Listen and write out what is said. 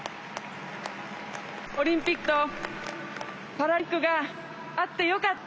オリンピックとパラリンピックがあってよかった。